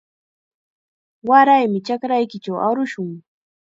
Waraymi chakraykichaw arushun.